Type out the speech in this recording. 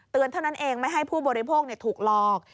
เท่านั้นเองไม่ให้ผู้บริโภคถูกหลอก